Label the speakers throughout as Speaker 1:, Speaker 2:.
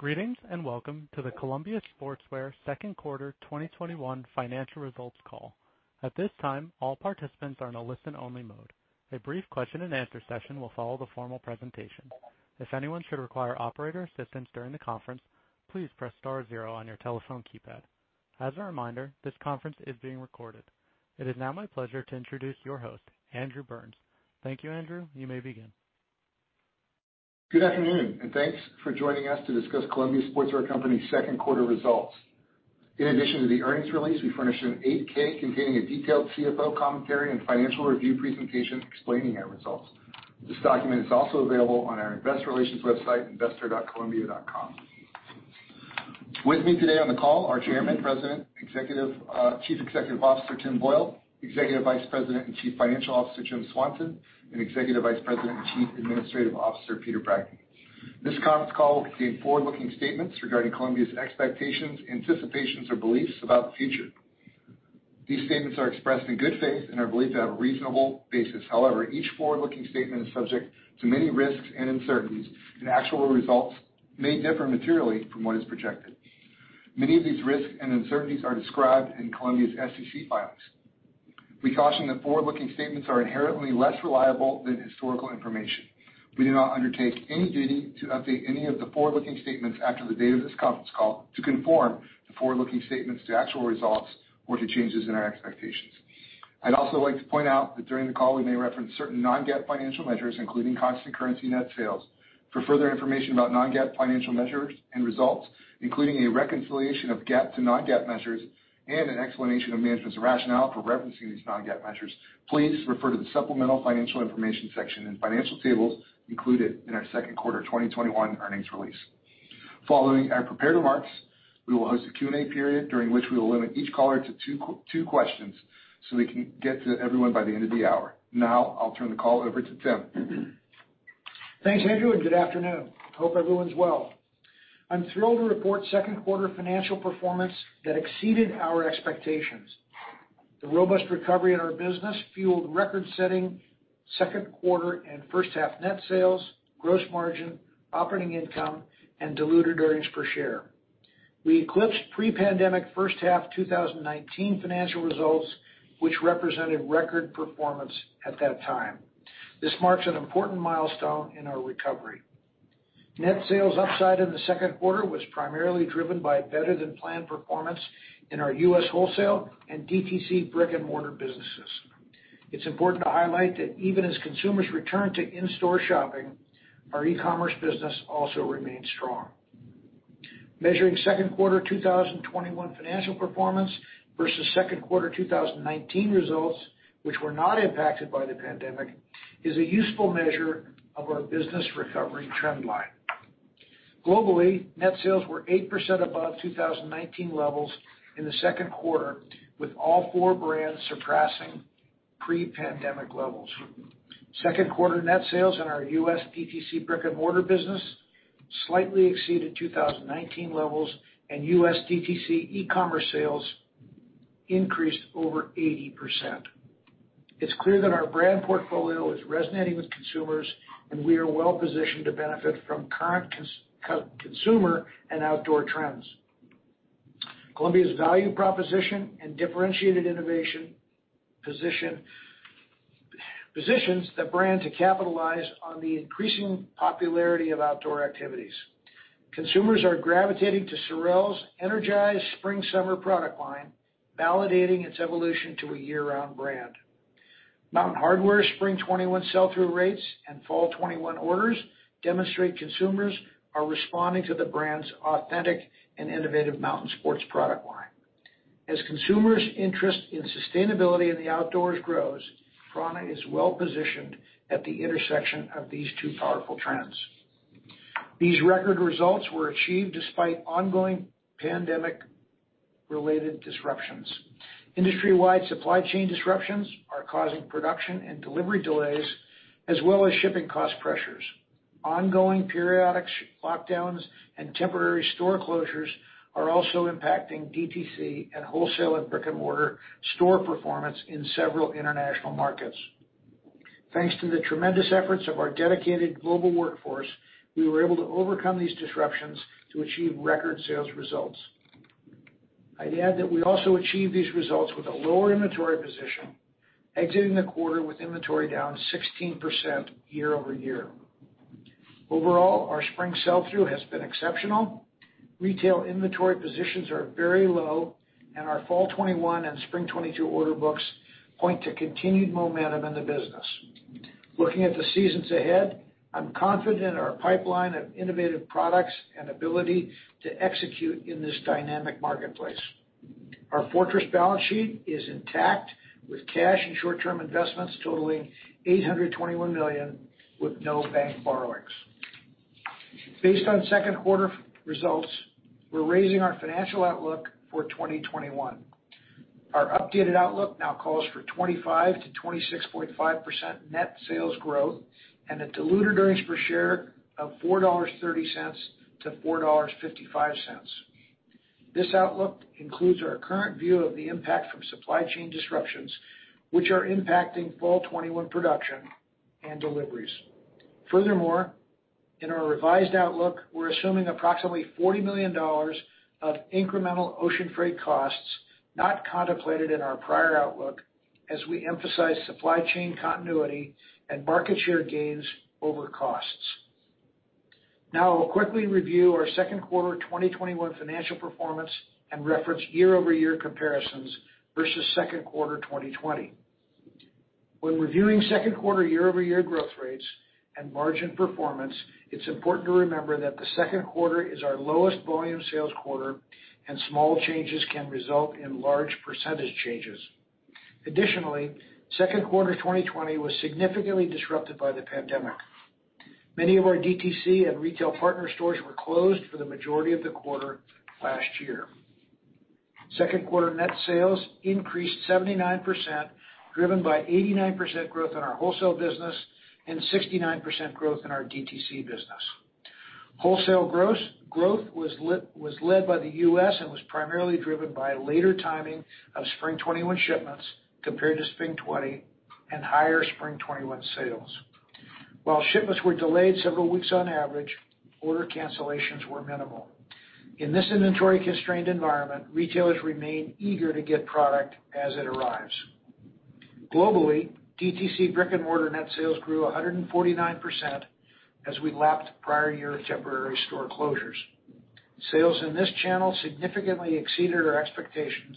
Speaker 1: Greetings, and welcome to the Columbia Sportswear second quarter 2021 financial results call. At this time, all participants are in a listen-only mode. A brief Q&A session will follow the formal presentation. If anyone should require operator assistance during the conference, please press star zero on your telephone keypad. As a reminder, this conference is being recorded. It is now my pleasure to introduce your host, Andrew Burns. Thank you, Andrew. You may begin.
Speaker 2: Good afternoon, thanks for joining us to discuss Columbia Sportswear Company's second quarter results. In addition to the earnings release, we furnished an 8-K containing a detailed CFO commentary and financial review presentation explaining our results. This document is also available on our investor relations website, investor.columbia.com. With me today on the call are Chairman, President, Chief Executive Officer, Tim Boyle, Executive Vice President and Chief Financial Officer, Jim Swanson, and Executive Vice President and Chief Administrative Officer, Peter Bragdon. This conference call will contain forward-looking statements regarding Columbia's expectations, anticipations, or beliefs about the future. These statements are expressed in good faith and are believed to have a reasonable basis. However, each forward-looking statement is subject to many risks and uncertainties, and actual results may differ materially from what is projected. Many of these risks and uncertainties are described in Columbia's SEC filings. We caution that forward-looking statements are inherently less reliable than historical information. We do not undertake any duty to update any of the forward-looking statements after the date of this conference call to conform the forward-looking statements to actual results or to changes in our expectations. I'd also like to point out that during the call, we may reference certain non-GAAP financial measures, including constant currency net sales. For further information about non-GAAP financial measures and results, including a reconciliation of GAAP to non-GAAP measures and an explanation of management's rationale for referencing these non-GAAP measures, please refer to the Supplemental Financial Information section and financial tables included in our second quarter 2021 earnings release. Following our prepared remarks, we will host a Q&A period during which we will limit each caller to two questions so we can get to everyone by the end of the hour. Now, I'll turn the call over to Tim.
Speaker 3: Thanks, Andrew. Good afternoon. Hope everyone's well. I'm thrilled to report second quarter financial performance that exceeded our expectations. The robust recovery in our business fueled record-setting second quarter and first half net sales, gross margin, operating income, and diluted earnings per share. We eclipsed pre-pandemic first half 2019 financial results, which represented record performance at that time. This marks an important milestone in our recovery. Net sales upside in the second quarter was primarily driven by better-than-planned performance in our U.S. wholesale and DTC brick-and-mortar businesses. It's important to highlight that even as consumers return to in-store shopping, our e-commerce business also remains strong. Measuring second quarter 2021 financial performance versus second quarter 2019 results, which were not impacted by the pandemic, is a useful measure of our business recovery trend line. Globally, net sales were 8% above 2019 levels in the second quarter, with all four brands surpassing pre-pandemic levels. Second quarter net sales in our U.S. DTC brick-and-mortar business slightly exceeded 2019 levels, and U.S. DTC e-commerce sales increased over 80%. It's clear that our brand portfolio is resonating with consumers, and we are well positioned to benefit from current consumer and outdoor trends. Columbia's value proposition and differentiated innovation positions the brand to capitalize on the increasing popularity of outdoor activities. Consumers are gravitating to SOREL's energized spring/summer product line, validating its evolution to a year-round brand. Mountain Hardwear spring 2021 sell-through rates and fall 2021 orders demonstrate consumers are responding to the brand's authentic and innovative mountain sports product line. As consumers' interest in sustainability in the outdoors grows, prAna is well positioned at the intersection of these two powerful trends. These record results were achieved despite ongoing pandemic-related disruptions. Industry-wide supply chain disruptions are causing production and delivery delays, as well as shipping cost pressures. Ongoing periodic lockdowns and temporary store closures are also impacting DTC and wholesale and brick-and-mortar store performance in several international markets. Thanks to the tremendous efforts of our dedicated global workforce, we were able to overcome these disruptions to achieve record sales results. I'd add that we also achieved these results with a lower inventory position, exiting the quarter with inventory down 16% year-over-year. Overall, our spring sell-through has been exceptional. Retail inventory positions are very low, and our fall 2021 and spring 2022 order books point to continued momentum in the business. Looking at the seasons ahead, I'm confident in our pipeline of innovative products and ability to execute in this dynamic marketplace. Our fortress balance sheet is intact, with cash and short-term investments totaling $821 million, with no bank borrowings. Based on second quarter results, we're raising our financial outlook for 2021. Our updated outlook now calls for 25%-26.5% net sales growth, and a diluted earnings per share of $4.30-$4.55. This outlook includes our current view of the impact from supply chain disruptions, which are impacting fall 2021 production and deliveries. In our revised outlook, we're assuming approximately $40 million of incremental ocean freight costs not contemplated in our prior outlook, as we emphasize supply chain continuity and market share gains over costs. I'll quickly review our second quarter 2021 financial performance and reference year-over-year comparisons versus second quarter 2020. When reviewing second quarter year-over-year growth rates and margin performance, it is important to remember that the second quarter is our lowest volume sales quarter, and small changes can result in large percentage changes. Additionally, second quarter 2020 was significantly disrupted by the pandemic. Many of our DTC and retail partner stores were closed for the majority of the quarter last year. Second quarter net sales increased 79%, driven by 89% growth in our wholesale business and 69% growth in our DTC business. Wholesale growth was led by the U.S. and was primarily driven by later timing of spring 2021 shipments compared to spring 2020, and higher spring 2021 sales. While shipments were delayed several weeks on average, order cancellations were minimal. In this inventory-constrained environment, retailers remain eager to get product as it arrives. Globally, DTC brick-and-mortar net sales grew 149% as we lapped prior year temporary store closures. Sales in this channel significantly exceeded our expectations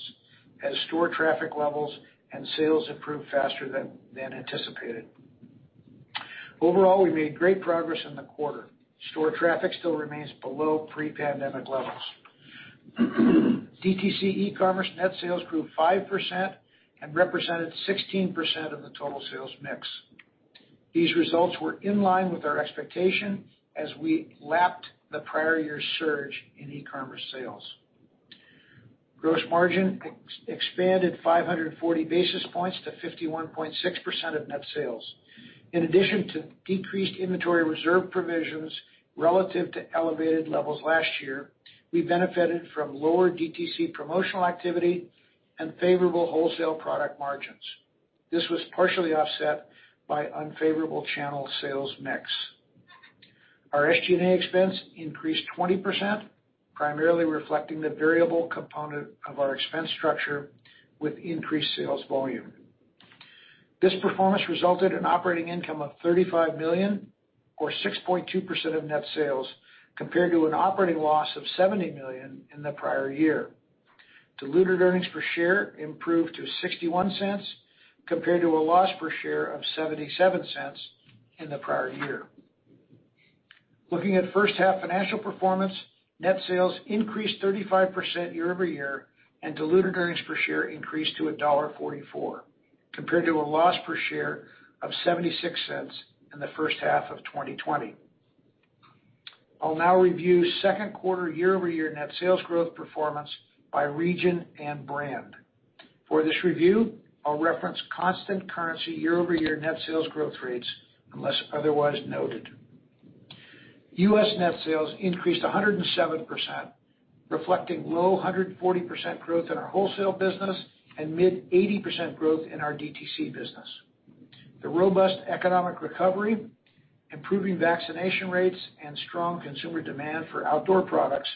Speaker 3: as store traffic levels and sales improved faster than anticipated. Overall, we made great progress in the quarter. Store traffic still remains below pre-pandemic levels. DTC e-commerce net sales grew 5% and represented 16% of the total sales mix. These results were in line with our expectation as we lapped the prior year's surge in e-commerce sales. Gross margin expanded 540 basis points to 51.6% of net sales. In addition to decreased inventory reserve provisions relative to elevated levels last year, we benefited from lower DTC promotional activity and favorable wholesale product margins. This was partially offset by unfavorable channel sales mix. Our SG&A expense increased 20%, primarily reflecting the variable component of our expense structure with increased sales volume. This performance resulted in operating income of $35 million or 6.2% of net sales, compared to an operating loss of $70 million in the prior year. Diluted earnings per share improved to $0.61, compared to a loss per share of $0.77 in the prior year. Looking at first half financial performance, net sales increased 35% year-over-year, and diluted earnings per share increased to $1.44, compared to a loss per share of $0.76 in the first half of 2020. I'll now review second quarter year-over-year net sales growth performance by region and brand. For this review, I'll reference constant currency year-over-year net sales growth rates unless otherwise noted. U.S. net sales increased 107%, reflecting low 140% growth in our wholesale business and mid 80% growth in our DTC business. The robust economic recovery, improving vaccination rates, and strong consumer demand for outdoor products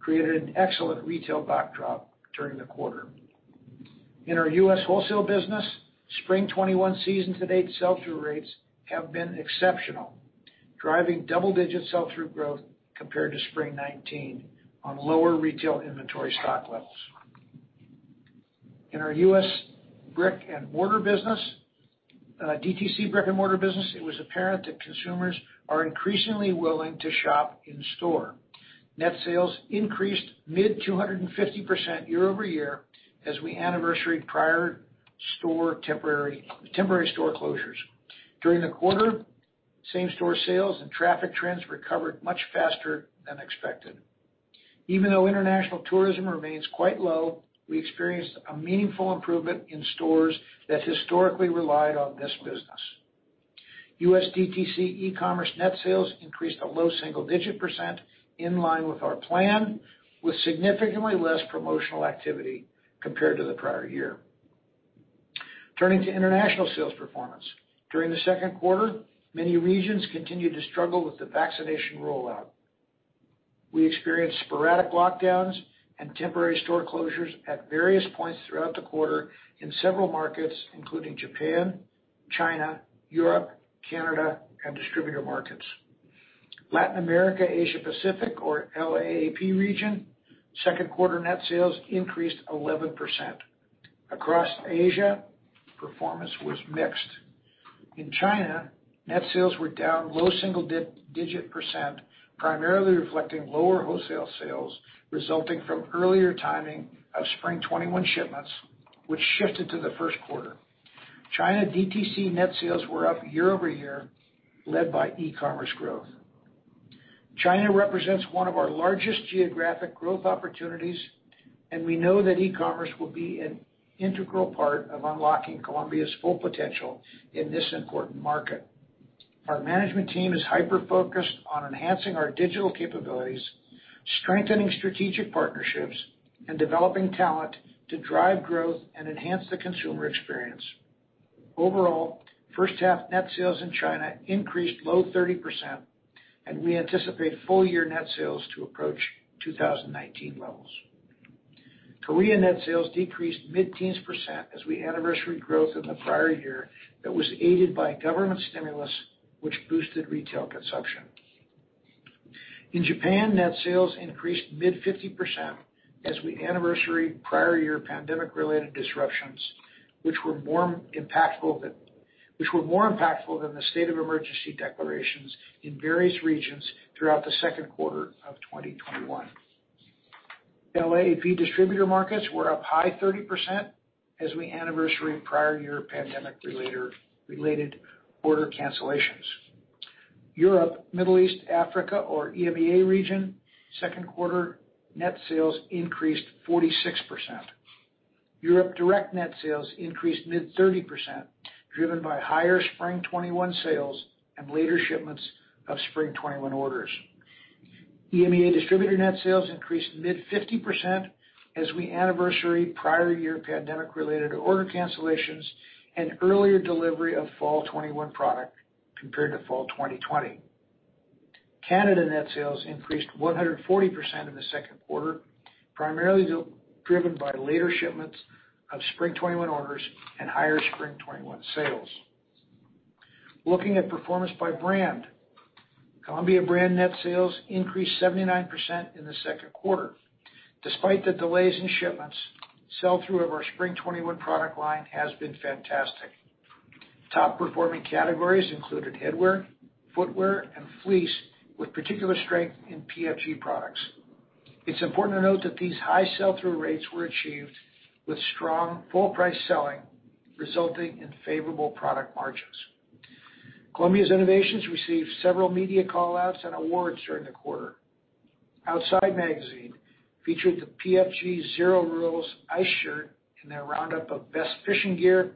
Speaker 3: created an excellent retail backdrop during the quarter. In our U.S. wholesale business, spring 2021 season to date sell-through rates have been exceptional, driving double-digit sell-through growth compared to spring 2019 on lower retail inventory stock levels. In our U.S. DTC brick-and-mortar business, it was apparent that consumers are increasingly willing to shop in store. Net sales increased mid-250% year-over-year as we anniversaried prior temporary store closures. During the quarter, same-store sales and traffic trends recovered much faster than expected. Even though international tourism remains quite low, we experienced a meaningful improvement in stores that historically relied on this business. U.S. DTC e-commerce net sales increased a low single-digit percent in line with our plan, with significantly less promotional activity compared to the prior year. Turning to international sales performance. During the second quarter, many regions continued to struggle with the vaccination rollout. We experienced sporadic lockdowns and temporary store closures at various points throughout the quarter in several markets, including Japan, China, Europe, Canada, and distributor markets. Latin America, Asia Pacific or LAAP region, second quarter net sales increased 11%. Across Asia, performance was mixed. In China, net sales were down low single-digit percent, primarily reflecting lower wholesale sales resulting from earlier timing of spring 2021 shipments, which shifted to the first quarter. China DTC net sales were up year-over-year, led by e-commerce growth. China represents one of our largest geographic growth opportunities, and we know that e-commerce will be an integral part of unlocking Columbia's full potential in this important market. Our management team is hyper-focused on enhancing our digital capabilities, strengthening strategic partnerships, and developing talent to drive growth and enhance the consumer experience. Overall, first half net sales in China increased low 30%, and we anticipate full-year net sales to approach 2019 levels. Korea net sales decreased mid-teens % as we anniversary growth in the prior year that was aided by government stimulus, which boosted retail consumption. In Japan, net sales increased mid 50% as we anniversary prior year pandemic-related disruptions, which were more impactful than the state of emergency declarations in various regions throughout the second quarter of 2021. LAAP distributor markets were up high 30% as we anniversary prior year pandemic-related order cancellations. Europe, Middle East, Africa or EMEA region, second quarter net sales increased 46%. Europe direct net sales increased mid 30%, driven by higher spring 2021 sales and later shipments of spring 2021 orders. EMEA distributor net sales increased mid 50% as we anniversary prior year pandemic-related order cancellations and earlier delivery of fall 2021 product compared to fall 2020. Canada net sales increased 140% in the second quarter, primarily driven by later shipments of spring 2021 orders and higher spring 2021 sales. Looking at performance by brand. Columbia brand net sales increased 79% in the second quarter. Despite the delays in shipments, sell-through of our spring 2021 product line has been fantastic. Top-performing categories included headwear, footwear, and fleece, with particular strength in PFG products. It's important to note that these high sell-through rates were achieved with strong full price selling, resulting in favorable product margins. Columbia's innovations received several media callouts and awards during the quarter. Outside featured the PFG Zero Rules Ice Shirt in their roundup of best fishing gear,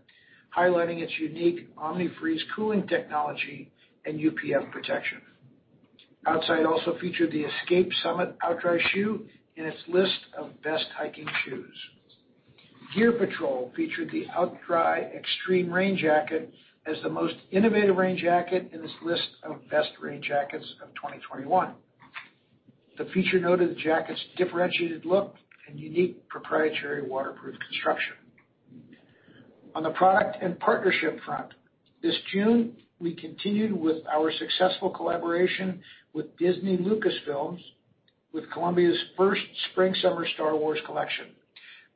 Speaker 3: highlighting its unique Omni-Freeze cooling technology and UPF protection. Outside also featured the Escape Thrive OutDry Shoe in its list of best hiking shoes. Gear Patrol featured the OutDry Extreme Rain Jacket as the most innovative rain jacket in its list of best rain jackets of 2021. The feature noted the jacket's differentiated look and unique proprietary waterproof construction. On the product and partnership front, this June, we continued with our successful collaboration with Disney Lucasfilm, with Columbia's first spring/summer Star Wars collection.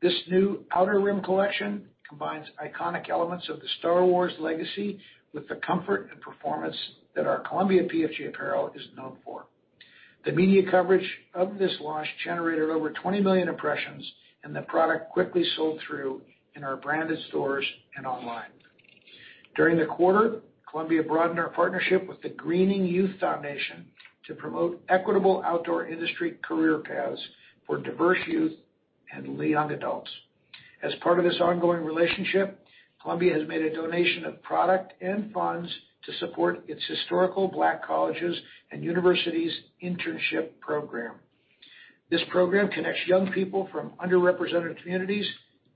Speaker 3: This new Outer Rim Collection combines iconic elements of the Star Wars legacy with the comfort and performance that our Columbia PFG apparel is known for. The media coverage of this launch generated over 20 million impressions, and the product quickly sold through in our branded stores and online. During the quarter, Columbia broadened our partnership with the Greening Youth Foundation to promote equitable outdoor industry career paths for diverse youth and young adults. As part of this ongoing relationship, Columbia has made a donation of product and funds to support its Historically Black Colleges and Universities internship program. This program connects young people from underrepresented communities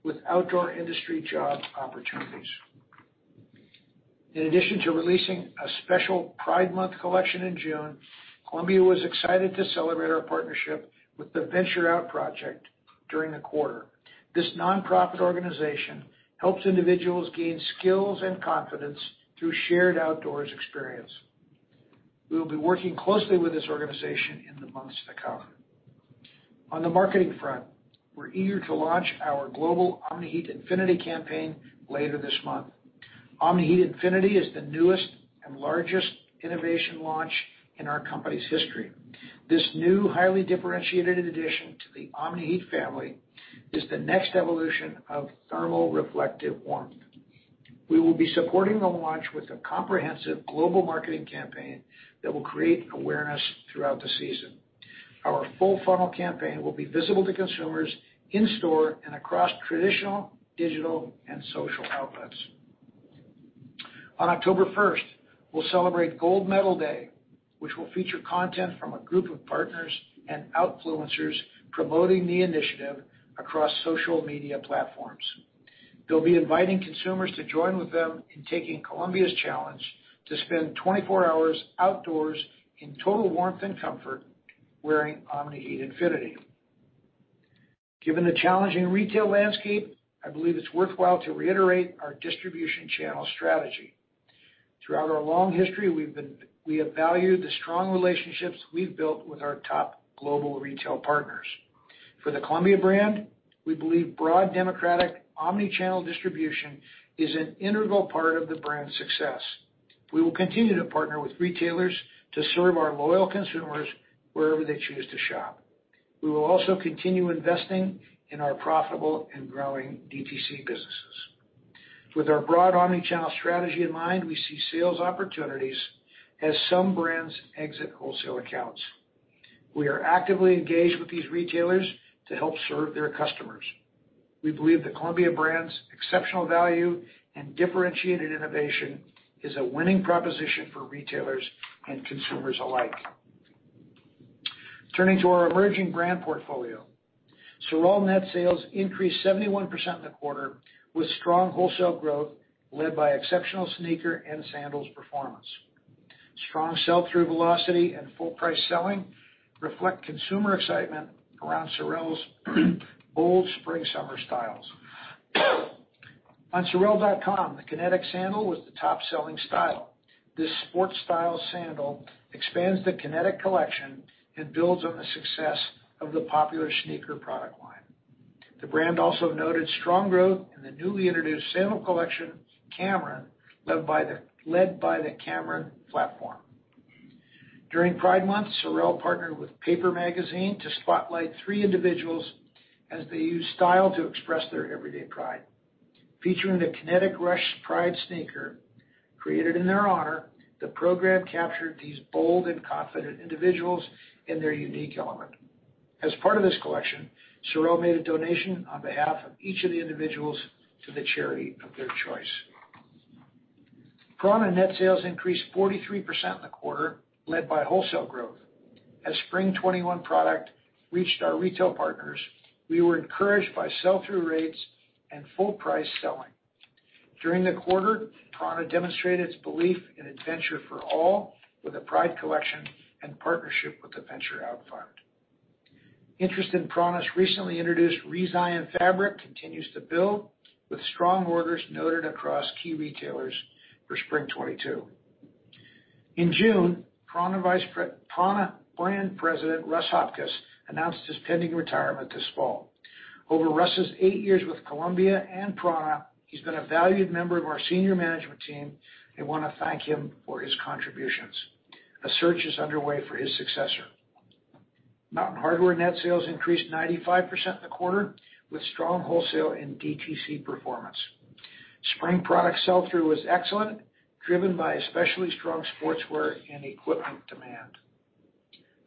Speaker 3: with outdoor industry job opportunities. In addition to releasing a special Pride Month collection in June, Columbia was excited to celebrate our partnership with The Venture Out Project during the quarter. This nonprofit organization helps individuals gain skills and confidence through shared outdoors experience. We will be working closely with this organization in the months to come. On the marketing front, we're eager to launch our global Omni-Heat Infinity campaign later this month. Omni-Heat Infinity is the newest and largest innovation launch in our company's history. This new, highly differentiated addition to the Omni-Heat family is the next evolution of thermal reflective warmth. We will be supporting the launch with a comprehensive global marketing campaign that will create awareness throughout the season. Our full funnel campaign will be visible to consumers in-store and across traditional, digital, and social outlets. On October 1st, we'll celebrate Gold Medal Day, which will feature content from a group of partners and outfluencers promoting the initiative across social media platforms. They'll be inviting consumers to join with them in taking Columbia's challenge to spend 24 hours outdoors in total warmth and comfort wearing Omni-Heat Infinity. Given the challenging retail landscape, I believe it's worthwhile to reiterate our distribution channel strategy. Throughout our long history, we have valued the strong relationships we've built with our top global retail partners. For the Columbia brand, we believe broad democratic omni-channel distribution is an integral part of the brand's success. We will continue to partner with retailers to serve our loyal consumers wherever they choose to shop. We will also continue investing in our profitable and growing DTC businesses. With our broad omni-channel strategy in mind, we see sales opportunities as some brands exit wholesale accounts. We are actively engaged with these retailers to help serve their customers. We believe the Columbia brand's exceptional value and differentiated innovation is a winning proposition for retailers and consumers alike. Turning to our emerging brand portfolio. SOREL net sales increased 71% in the quarter, with strong wholesale growth led by exceptional sneaker and sandals performance. Strong sell-through velocity and full price selling reflect consumer excitement around SOREL's bold spring/summer styles. On sorel.com, the Kinetic sandal was the top-selling style. This sports style sandal expands the Kinetic collection and builds on the success of the popular sneaker product line. The brand also noted strong growth in the newly introduced sandal collection, Cameron, led by the Cameron platform. During Pride Month, SOREL partnered with Paper Magazine to spotlight three individuals as they used style to express their everyday pride. Featuring the Kinetic Rush Pride sneaker, created in their honor, the program captured these bold and confident individuals in their unique element. As part of this collection, SOREL made a donation on behalf of each of the individuals to the charity of their choice. prAna net sales increased 43% in the quarter, led by wholesale growth. As spring 2021 product reached our retail partners, we were encouraged by sell-through rates and full price selling. During the quarter, prAna demonstrated its belief in adventure for all with a Pride collection and partnership with The Venture Out Project. Interest in prAna's recently introduced ReZion fabric continues to build with strong orders noted across key retailers for spring 2022. In June, prAna Brand President Russ Hopcus announced his pending retirement this fall. Over Russ' eight years with Columbia and prAna, he's been a valued member of our senior management team, and want to thank him for his contributions. A search is underway for his successor. Mountain Hardwear net sales increased 95% in the quarter, with strong wholesale and DTC performance. Spring product sell-through was excellent, driven by especially strong sportswear and equipment demand.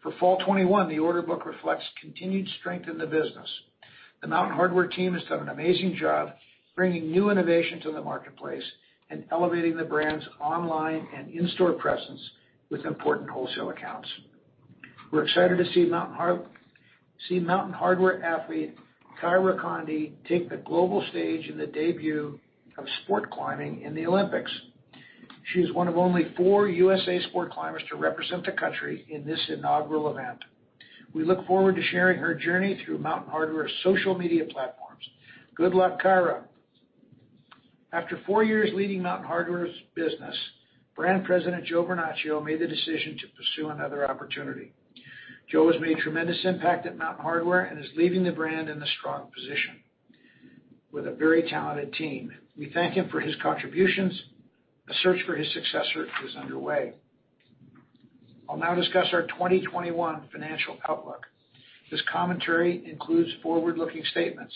Speaker 3: For fall 2021, the order book reflects continued strength in the business. The Mountain Hardwear team has done an amazing job bringing new innovation to the marketplace and elevating the brand's online and in-store presence with important wholesale accounts. We're excited to see Mountain Hardwear athlete Kyra Condie take the global stage in the debut of sport climbing in the Olympics. She is one of only four U.S.A. sport climbers to represent the country in this inaugural event. We look forward to sharing her journey through Mountain Hardwear's social media platforms. Good luck, Kyra. After four years leading Mountain Hardwear's business, Brand President Joe Vernachio made the decision to pursue another opportunity. Joe has made a tremendous impact at Mountain Hardwear and is leaving the brand in a strong position, with a very talented team. We thank him for his contributions. A search for his successor is underway. I'll now discuss our 2021 financial outlook. This commentary includes forward-looking statements.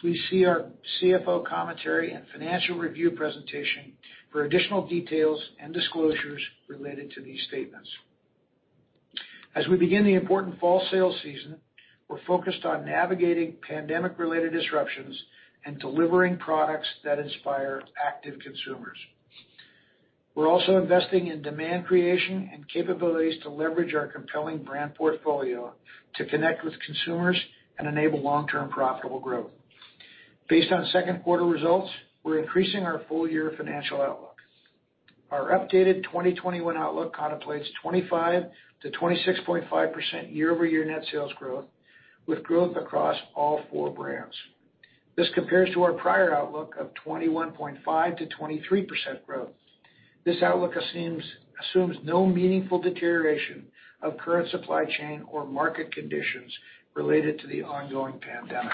Speaker 3: Please see our CFO commentary and financial review presentation for additional details and disclosures related to these statements. As we begin the important fall sales season, we're focused on navigating pandemic-related disruptions and delivering products that inspire active consumers. We're also investing in demand creation and capabilities to leverage our compelling brand portfolio to connect with consumers and enable long-term profitable growth. Based on second quarter results, we're increasing our full year financial outlook. Our updated 2021 outlook contemplates 25%-26.5% year-over-year net sales growth, with growth across all four brands. This compares to our prior outlook of 21.5%-23% growth. This outlook assumes no meaningful deterioration of current supply chain or market conditions related to the ongoing pandemic.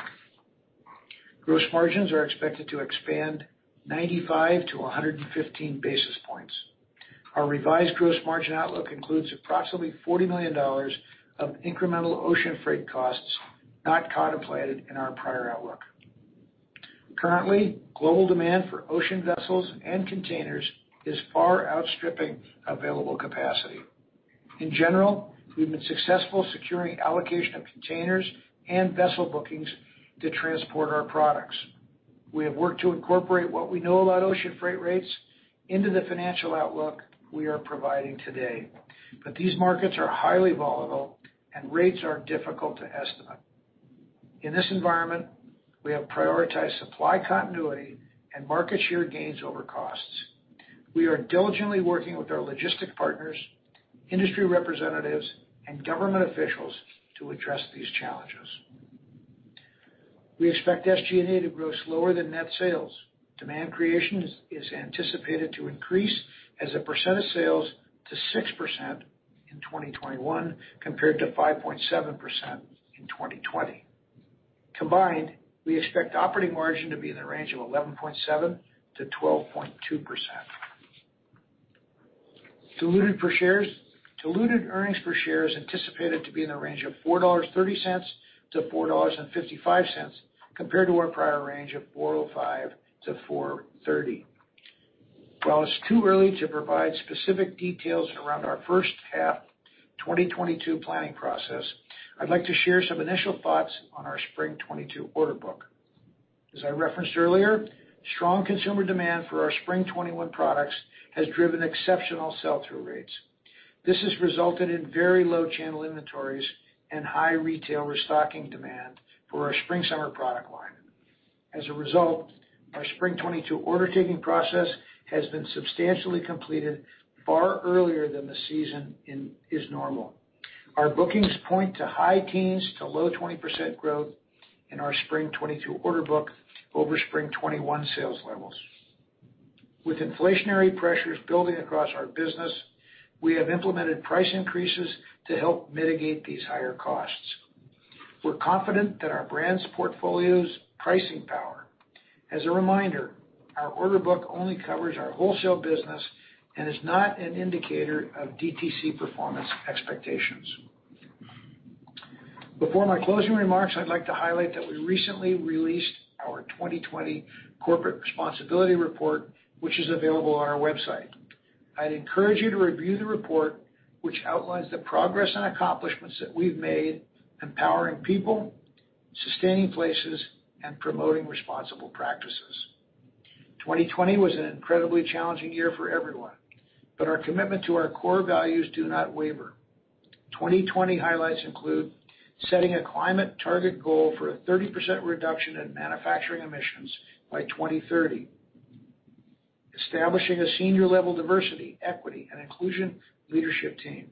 Speaker 3: Gross margins are expected to expand 95 basis points to 115 basis points. Our revised gross margin outlook includes approximately $40 million of incremental ocean freight costs not contemplated in our prior outlook. Currently, global demand for ocean vessels and containers is far outstripping available capacity. In general, we've been successful securing allocation of containers and vessel bookings to transport our products. We have worked to incorporate what we know about ocean freight rates into the financial outlook we are providing today. These markets are highly volatile and rates are difficult to estimate. In this environment, we have prioritized supply continuity and market share gains over costs. We are diligently working with our logistics partners, industry representatives, and government officials to address these challenges. We expect SG&A to grow slower than net sales. Demand creation is anticipated to increase as a percentage sales to 6% in 2021, compared to 5.7% in 2020. Combined, we expect operating margin to be in the range of 11.7%-12.2%. Diluted earnings per share is anticipated to be in the range of $4.30 to $4.55, compared to our prior range of $4.05 to $4.30. While it's too early to provide specific details around our first half 2022 planning process, I'd like to share some initial thoughts on our Spring 2022 order book. As I referenced earlier, strong consumer demand for our Spring 2021 products has driven exceptional sell-through rates. This has resulted in very low channel inventories and high retail restocking demand for our spring/summer product line. As a result, our Spring 2022 order taking process has been substantially completed far earlier than the season is normal. Our bookings point to high teens to low 20% growth in our Spring 2022 order book over Spring 2021 sales levels. With inflationary pressures building across our business, we have implemented price increases to help mitigate these higher costs. We're confident in our brands portfolio's pricing power. As a reminder, our order book only covers our wholesale business and is not an indicator of DTC performance expectations. Before my closing remarks, I'd like to highlight that we recently released our 2020 corporate responsibility report, which is available on our website. I'd encourage you to review the report, which outlines the progress and accomplishments that we've made empowering people, sustaining places, and promoting responsible practices. 2020 was an incredibly challenging year for everyone, but our commitment to our core values do not waver. 2020 highlights include setting a climate target goal for a 30% reduction in manufacturing emissions by 2030, establishing a senior level diversity, equity, and inclusion leadership team.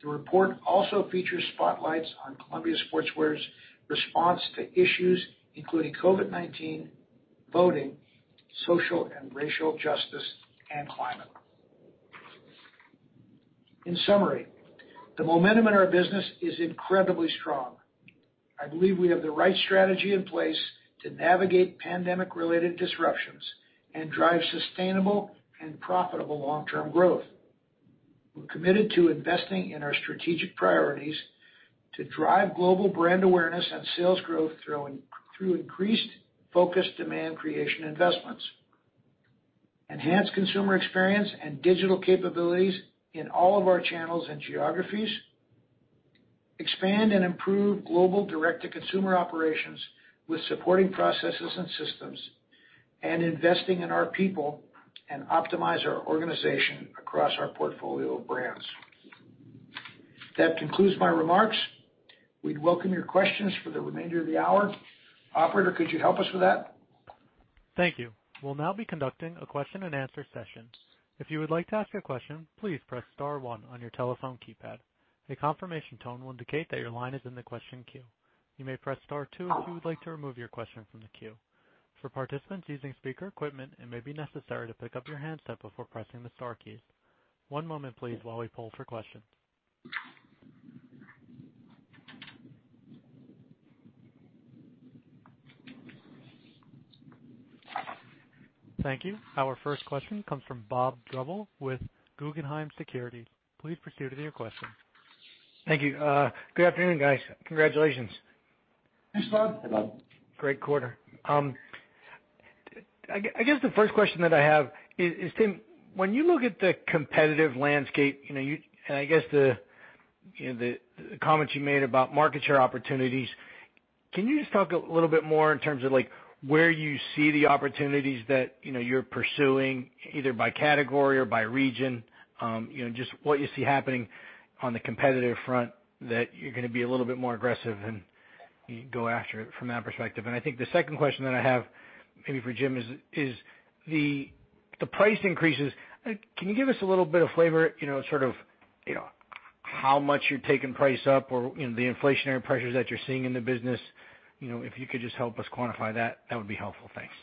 Speaker 3: The report also features spotlights on Columbia Sportswear's response to issues including COVID-19, voting, social and racial justice, and climate. In summary, the momentum in our business is incredibly strong. I believe we have the right strategy in place to navigate pandemic-related disruptions and drive sustainable and profitable long-term growth. We're committed to investing in our strategic priorities to drive global brand awareness and sales growth through increased focused demand creation investments, enhance consumer experience and digital capabilities in all of our channels and geographies, expand and improve global direct-to-consumer operations with supporting processes and systems, and investing in our people and optimize our organization across our portfolio of brands. That concludes my remarks. We'd welcome your questions for the remainder of the hour. Operator, could you help us with that?
Speaker 1: Thank you. We'll now be a conducting a Q&A session. If you would like to ask a question, please press star one on your telephone keypad. A confirmation tone will indicate that your line is in the question queue. You may press star two if you would like to remove your question from the queue. For participants using speaker equipment, it may be necessary to pick up your handset before pressing the star key. One moment, please, while we poll for questions. Thank you. Our first question comes from Bob Drbul with Guggenheim Securities. Please proceed with your question.
Speaker 4: Thank you. Good afternoon, guys. Congratulations.
Speaker 3: Thanks, Bob.
Speaker 5: Hey, Bob.
Speaker 4: Great quarter. I guess the first question that I have is, Tim, when you look at the competitive landscape, and I guess the comments you made about market share opportunities, can you just talk a little bit more in terms of where you see the opportunities that you're pursuing, either by category or by region? Just what you see happening on the competitive front that you're going to be a little bit more aggressive and go after it from that perspective. I think the second question that I have maybe for Jim is the price increases. Can you give us a little bit of flavor, sort of how much you're taking price up or the inflationary pressures that you're seeing in the business? If you could just help us quantify that would be helpful. Thanks.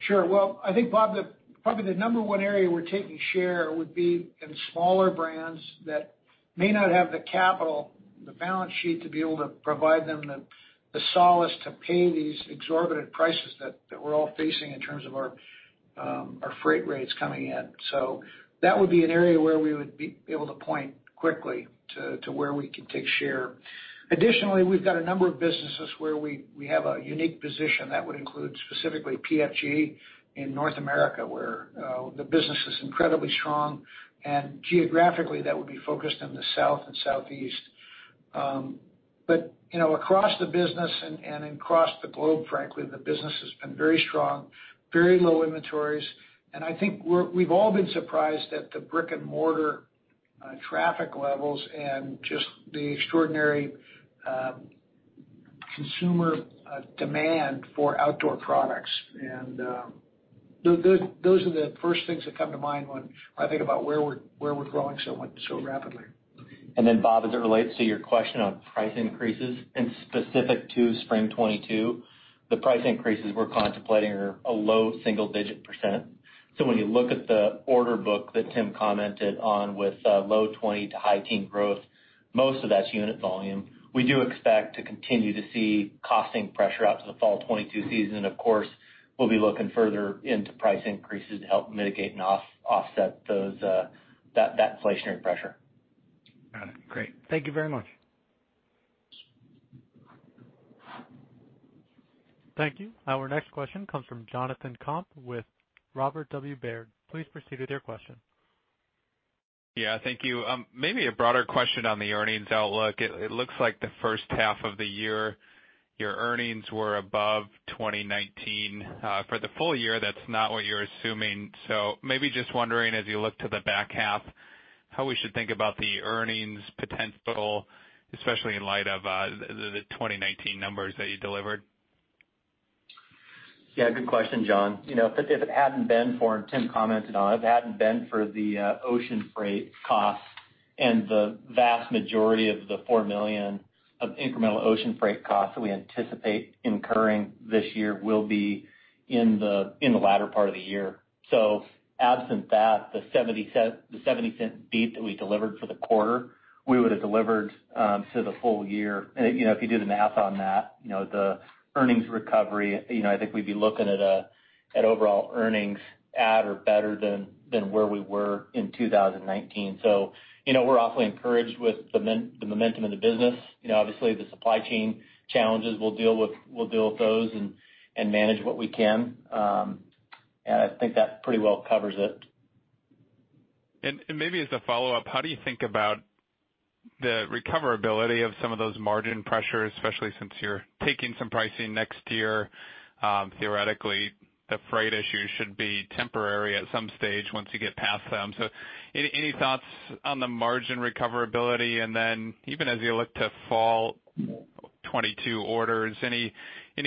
Speaker 3: Sure. Well, I think, Bob, probably the number one area we're taking share would be in smaller brands that may not have the capital, the balance sheet to be able to provide them the solace to pay these exorbitant prices that we're all facing in terms of our freight rates coming in. That would be an area where we would be able to point quickly to where we could take share. Additionally, we've got a number of businesses where we have a unique position. That would include specifically PFG in North America, where the business is incredibly strong, and geographically that would be focused in the South and Southeast. Across the business and across the globe, frankly, the business has been very strong. Very low inventories. I think we've all been surprised at the brick and mortar traffic levels and just the extraordinary consumer demand for outdoor products. Those are the first things that come to mind when I think about where we're growing so rapidly.
Speaker 5: Bob, as it relates to your question on price increases and specific to spring 2022, the price increases we're contemplating are a low single-digit percent. When you look at the order book that Tim commented on with low 20 to high teen growth, most of that's unit volume. We do expect to continue to see costing pressure out to the fall 2022 season. Of course, we'll be looking further into price increases to help mitigate and offset that inflationary pressure.
Speaker 4: Got it. Great. Thank you very much.
Speaker 1: Thank you. Our next question comes from Jonathan Komp with Robert W. Baird. Please proceed with your question.
Speaker 6: Yeah, thank you. Maybe a broader question on the earnings outlook. It looks like the first half of the year, your earnings were above 2019. For the full year, that's not what you're assuming. Maybe just wondering, as you look to the back half, how we should think about the earnings potential, especially in light of the 2019 numbers that you delivered.
Speaker 5: Good question, Jon. If it hadn't been for, and Tim commented on it, if it hadn't been for the ocean freight cost and the vast majority of the $40 million of incremental ocean freight costs that we anticipate incurring this year will be in the latter part of the year. Absent that, the $0.70 beat that we delivered for the quarter, we would've delivered to the full year. If you do the math on that, the earnings recovery, I think we'd be looking at overall earnings at or better than where we were in 2019. We're awfully encouraged with the momentum of the business. Obviously, the supply chain challenges, we'll deal with those and manage what we can. I think that pretty well covers it.
Speaker 6: Maybe as a follow-up, how do you think about the recoverability of some of those margin pressures, especially since you're taking some pricing next year? Theoretically, the freight issues should be temporary at some stage once you get past them. Any thoughts on the margin recoverability? Then even as you look to fall 2022 orders, any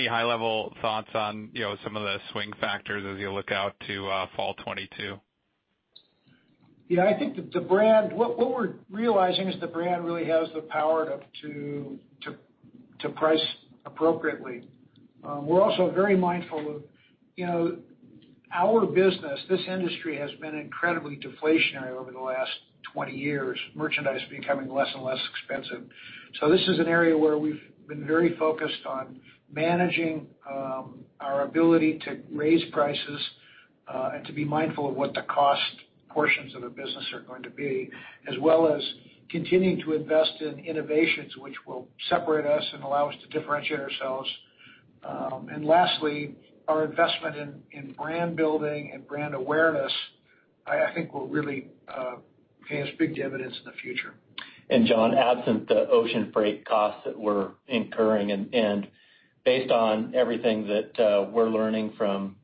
Speaker 6: high level thoughts on some of the swing factors as you look out to fall 2022?
Speaker 3: Yeah, I think what we're realizing is the brand really has the power to price appropriately. We're also very mindful of our business. This industry has been incredibly deflationary over the last 20 years, merchandise becoming less and less expensive. This is an area where we've been very focused on managing our ability to raise prices, and to be mindful of what the cost portions of the business are going to be, as well as continuing to invest in innovations which will separate us and allow us to differentiate ourselves. Lastly, our investment in brand building and brand awareness, I think, will really pay us big dividends in the future.
Speaker 5: Jon, absent the ocean freight costs that we're incurring, and based on everything that we're learning from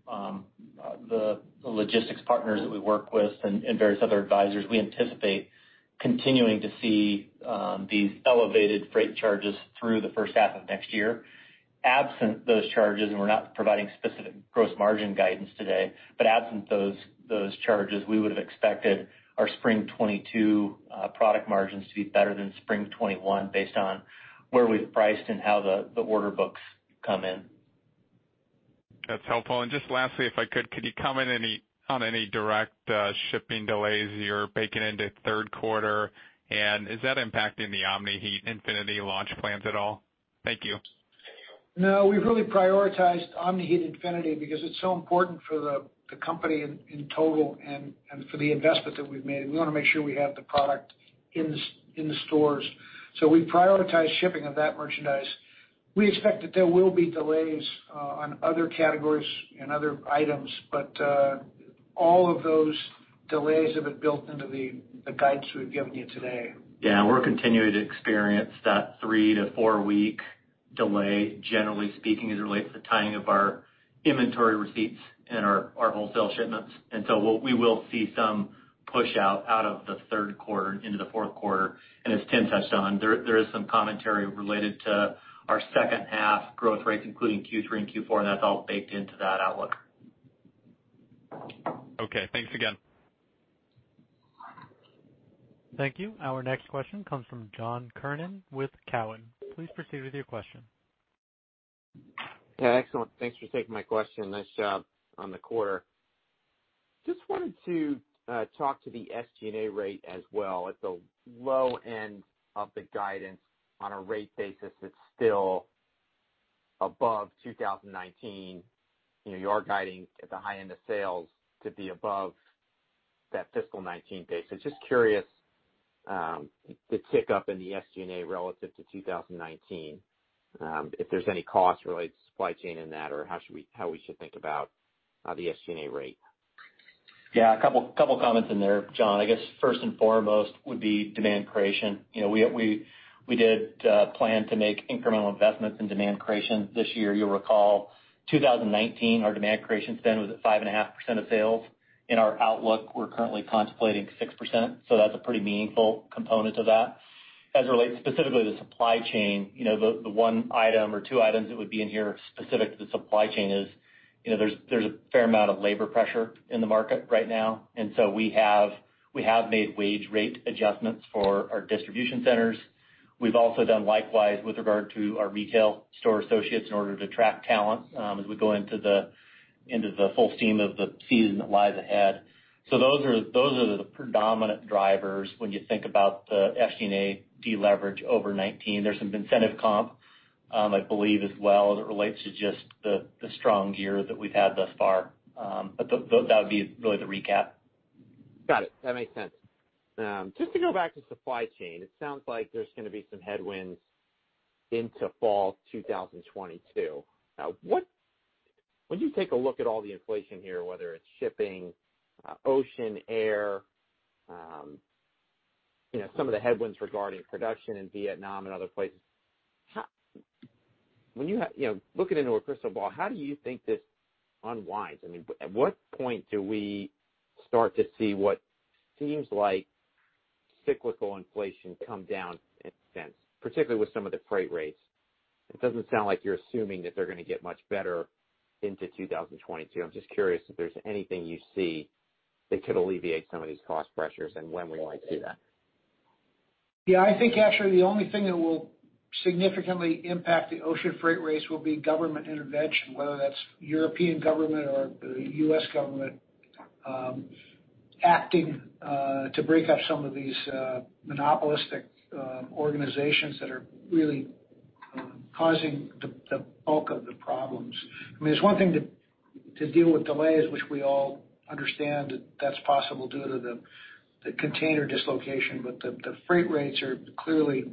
Speaker 5: the logistics partners that we work with and various other advisors, we anticipate continuing to see these elevated freight charges through the first half of next year. Absent those charges, and we're not providing specific gross margin guidance today, but absent those charges, we would've expected our spring 2022 product margins to be better than spring 2021 based on where we've priced and how the order books come in.
Speaker 6: That's helpful. Just lastly, if I could you comment on any direct shipping delays you're baking into third quarter? Is that impacting the Omni-Heat Infinity launch plans at all? Thank you.
Speaker 3: We've really prioritized Omni-Heat Infinity because it's so important for the company in total and for the investment that we've made. We want to make sure we have the product in the stores. We prioritize shipping of that merchandise. We expect that there will be delays on other categories and other items, but all of those delays have been built into the guidance we've given you today.
Speaker 5: Yeah. We're continuing to experience that three to four week delay, generally speaking, as it relates to the timing of our inventory receipts and our wholesale shipments. We will see some push out out of the third quarter into the fourth quarter, and as Tim touched on, there is some commentary related to our second half growth rates, including Q3 and Q4, and that's all baked into that outlook.
Speaker 6: Okay, thanks again.
Speaker 1: Thank you. Our next question comes from John Kernan with Cowen. Please proceed with your question.
Speaker 7: Yeah. Excellent. Thanks for taking my question. Nice job on the quarter. Just wanted to talk to the SG&A rate as well. At the low end of the guidance on a rate basis, it's still above 2019. You're guiding at the high end of sales to be above that fiscal 2019 base. I'm just curious, the tick up in the SG&A relative to 2019, if there's any cost related to supply chain in that, or how we should think about the SG&A rate.
Speaker 5: Yeah. A couple of comments in there, John. I guess first and foremost would be demand creation. We did plan to make incremental investments in demand creation this year. You'll recall, 2019, our demand creation spend was at 5.5% of sales. In our outlook, we're currently contemplating 6%, so that's a pretty meaningful component of that. As it relates specifically to the supply chain, the one item or two items that would be in here specific to the supply chain is there's a fair amount of labor pressure in the market right now, and so we have made wage rate adjustments for our distribution centers. We've also done likewise with regard to our retail store associates in order to attract talent as we go into the full steam of the season that lies ahead. Those are the predominant drivers when you think about the SG&A deleverage over 2019. There's some incentive comp, I believe, as well, as it relates to just the strong year that we've had thus far. That would be really the recap.
Speaker 7: Got it. That makes sense. Just to go back to supply chain, it sounds like there's going to be some headwinds into fall 2022. When you take a look at all the inflation here, whether it's shipping, ocean, air, some of the headwinds regarding production in Vietnam and other places. Looking into a crystal ball, how do you think this unwinds? At what point do we start to see what seems like cyclical inflation come down in a sense, particularly with some of the freight rates? It doesn't sound like you're assuming that they're going to get much better into 2022. I'm just curious if there's anything you see that could alleviate some of these cost pressures and when we might see that.
Speaker 3: Yeah, I think actually the only thing that will significantly impact the ocean freight rates will be government intervention, whether that's European government or the U.S. government acting to break up some of these monopolistic organizations that are really causing the bulk of the problems. It's one thing to deal with delays, which we all understand that that's possible due to the container dislocation, but the freight rates are clearly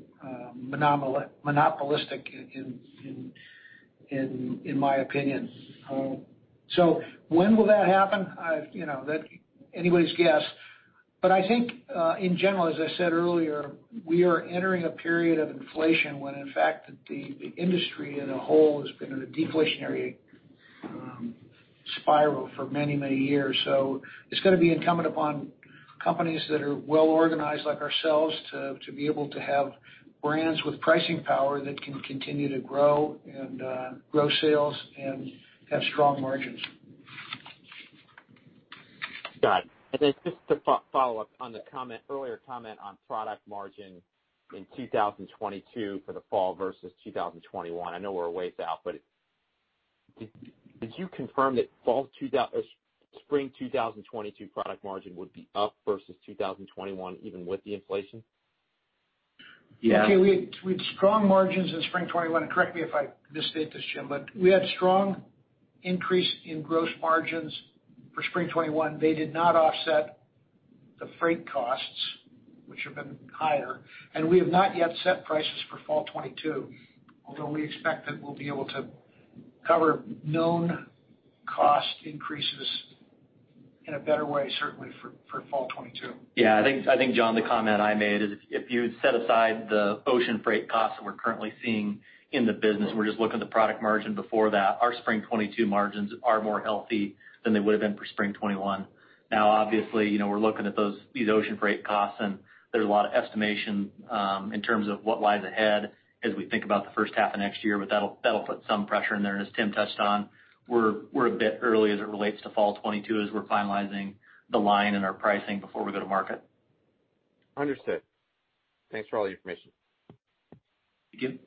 Speaker 3: monopolistic in my opinion. When will that happen? That's anybody's guess. I think, in general, as I said earlier, we are entering a period of inflation when, in fact, the industry as a whole has been in a deflationary spiral for many, many years. It's going to be incumbent upon companies that are well organized, like ourselves, to be able to have brands with pricing power that can continue to grow and grow sales and have strong margins.
Speaker 7: Got it. Just to follow up on the earlier comment on product margin in 2022 for the fall versus 2021. I know we're a ways out, did you confirm that spring 2022 product margin would be up versus 2021 even with the inflation?
Speaker 5: Yeah.
Speaker 3: We had strong margins in spring 2021, and correct me if I misstate this, Jim, but we had strong increase in gross margins for spring 2021. They did not offset the freight costs, which have been higher, and we have not yet set prices for fall 2022, although we expect that we'll be able to cover known cost increases in a better way, certainly for fall 2022.
Speaker 5: Yeah, I think, John, the comment I made is if you set aside the ocean freight costs that we're currently seeing in the business, and we're just looking at the product margin before that, our spring 2022 margins are more healthy than they would've been for spring 2021. Now, obviously, we're looking at these ocean freight costs, and there's a lot of estimation in terms of what lies ahead as we think about the first half of next year. That'll put some pressure in there. As Tim touched on, we're a bit early as it relates to fall 2022 as we're finalizing the line and our pricing before we go to market.
Speaker 7: Understood. Thanks for all the information.
Speaker 3: Thank you.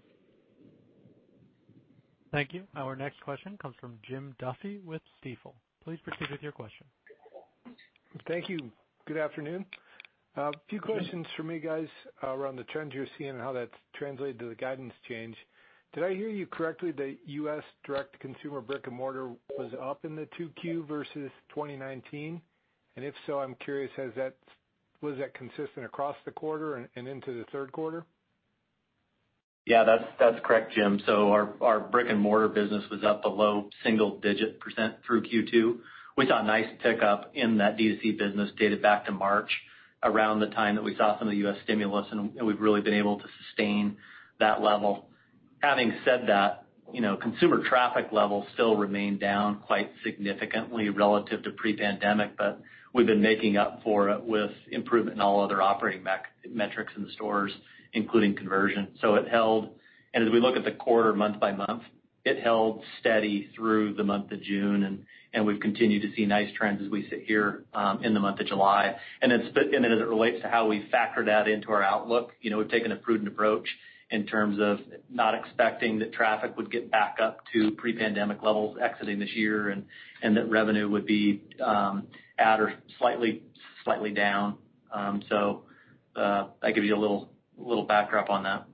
Speaker 1: Thank you. Our next question comes from Jim Duffy with Stifel. Please proceed with your question.
Speaker 8: Thank you. Good afternoon. A few questions from me, guys, around the trends you're seeing and how that's translated to the guidance change. Did I hear you correctly that U.S. direct consumer brick and mortar was up in the 2Q versus 2019? If so, I'm curious, was that consistent across the quarter and into the third quarter?
Speaker 5: Yeah. That's correct, Jim. Our brick and mortar business was up a low single-digit % through Q2. We saw a nice tick up in that D2C business dated back to March, around the time that we saw some of the U.S. stimulus, and we've really been able to sustain that level. Having said that, consumer traffic levels still remain down quite significantly relative to pre-pandemic, but we've been making up for it with improvement in all other operating metrics in the stores, including conversion. It held. As we look at the quarter month by month, it held steady through the month of June, and we've continued to see nice trends as we sit here in the month of July. As it relates to how we factor that into our outlook, we've taken a prudent approach in terms of not expecting that traffic would get back up to pre-pandemic levels exiting this year and that revenue would be at or slightly down. That gives you a little backdrop on that.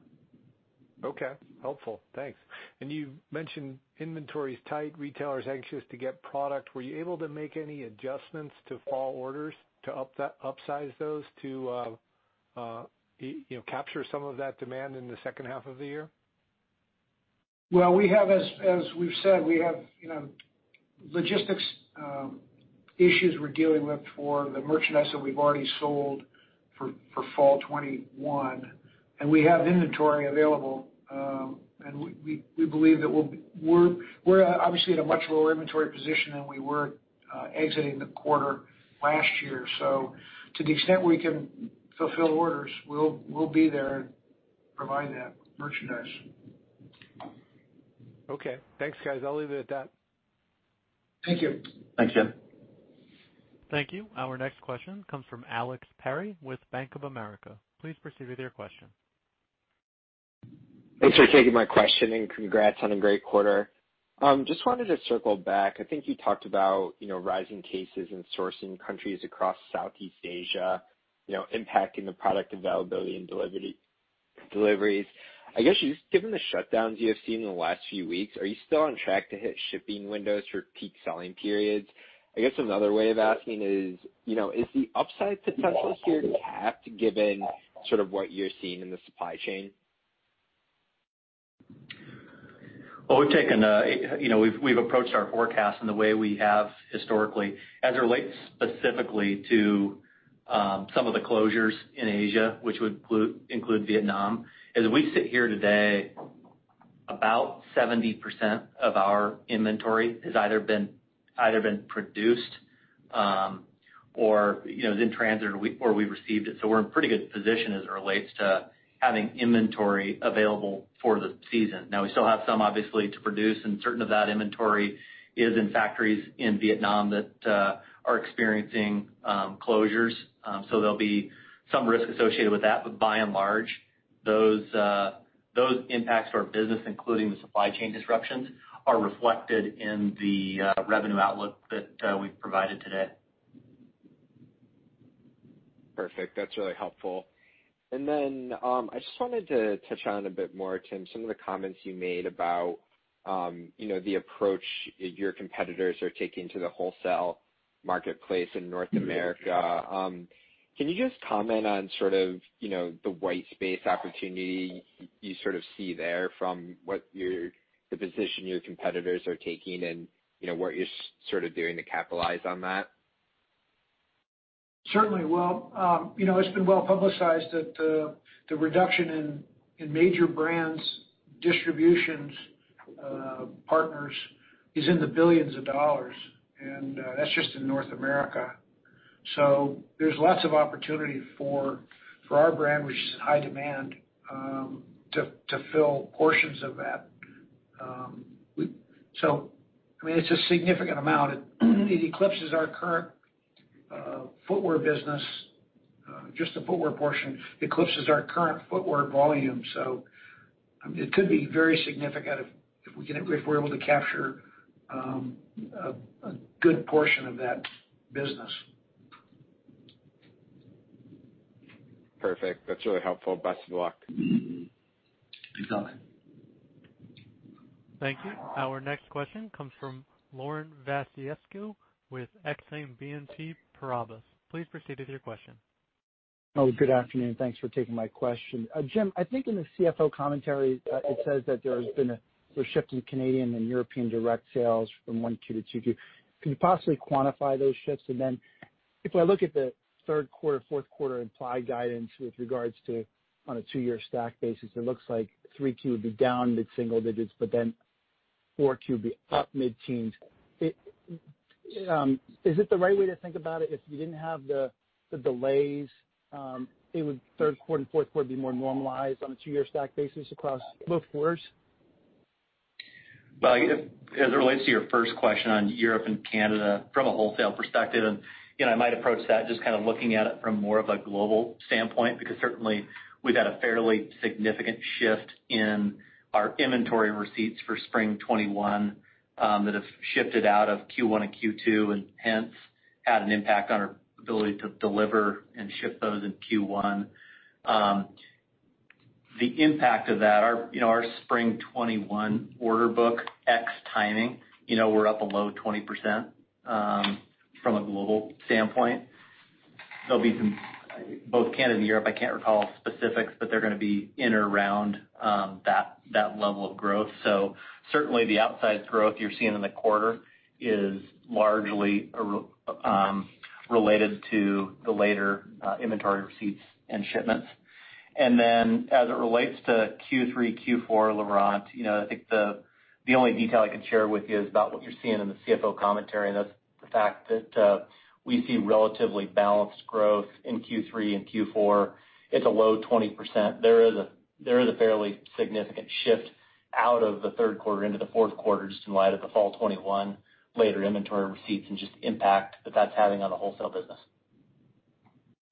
Speaker 8: Okay. Helpful. Thanks. You mentioned inventory's tight, retailers anxious to get product. Were you able to make any adjustments to fall orders to upsize those to capture some of that demand in the second half of the year?
Speaker 5: Well, as we've said, we have logistics issues we're dealing with for the merchandise that we've already sold for fall 2021, and we have inventory available. We believe that we're obviously at a much lower inventory position than we were exiting the quarter last year. To the extent we can fulfill orders, we'll be there and provide that merchandise.
Speaker 8: Okay. Thanks, guys. I'll leave it at that.
Speaker 5: Thank you.
Speaker 3: Thanks, Jim.
Speaker 1: Thank you. Our next question comes from Alex Perry with Bank of America. Please proceed with your question.
Speaker 9: Thanks for taking my question. Congrats on a great quarter. Just wanted to circle back. I think you talked about rising cases in sourcing countries across Southeast Asia impacting the product availability and delivery. I guess, given the shutdowns you have seen in the last few weeks, are you still on track to hit shipping windows for peak selling periods? I guess another way of asking is the upside potential here capped given what you're seeing in the supply chain?
Speaker 5: We've approached our forecast in the way we have historically as it relates specifically to some of the closures in Asia, which would include Vietnam. As we sit here today, about 70% of our inventory has either been produced or is in transit, or we received it. We're in a pretty good position as it relates to having inventory available for the season. We still have some, obviously, to produce, and certain of that inventory is in factories in Vietnam that are experiencing closures. There'll be some risk associated with that, by and large, those impacts to our business, including the supply chain disruptions, are reflected in the revenue outlook that we've provided today.
Speaker 9: Perfect. That's really helpful. Then, I just wanted to touch on a bit more, Tim, some of the comments you made about the approach your competitors are taking to the wholesale marketplace in North America. Can you just comment on the white space opportunity you see there from the position your competitors are taking and what you're doing to capitalize on that?
Speaker 3: Certainly. Well, it's been well-publicized that the reduction in major brands distribution partners is in the billions of dollars, that's just in North America. There's lots of opportunity for our brand, which is in high demand, to fill portions of that. It's a significant amount. It eclipses our current footwear business. Just the footwear portion eclipses our current footwear volume. It could be very significant if we're able to capture a good portion of that business.
Speaker 9: Perfect. That's really helpful. Best of luck.
Speaker 3: Thanks so much.
Speaker 1: Thank you. Our next question comes from Laurent Vasilescu with Exane BNP Paribas. Please proceed with your question.
Speaker 10: Good afternoon. Thanks for taking my question. Jim, I think in the CFO commentary, it says that there has been a shift in Canadian and European direct sales from 1Q to 2Q. Could you possibly quantify those shifts? If I look at the third quarter, fourth quarter implied guidance with regards to on a two-year stack basis, it looks like 3Q would be down mid-single digits, but then 4Q would be up mid-teens. Is it the right way to think about it if we didn't have the delays, it would third quarter and fourth quarter be more normalized on a two-year stack basis across both quarters?
Speaker 5: As it relates to your first question on Europe and Canada from a wholesale perspective, I might approach that just kind of looking at it from more of a global standpoint, because certainly we've had a fairly significant shift in our inventory receipts for spring 2021 that have shifted out of Q1 and Q2 and hence had an impact on our ability to deliver and ship those in Q1. The impact of that, our spring 2021 order book ex-timing, we're up a low 20% from a global standpoint. Both Canada and Europe, I can't recall specifics, but they're going to be in or around that level of growth. Certainly the outsized growth you're seeing in the quarter is largely related to the later inventory receipts and shipments. As it relates to Q3, Q4, Laurent, I think the only detail I can share with you is about what you're seeing in the CFO commentary, and that's the fact that we see relatively balanced growth in Q3 and Q4. It's a low 20%. There is a fairly significant shift out of the third quarter into the fourth quarter just in light of the fall 2021 later inventory receipts and just the impact that that's having on the wholesale business.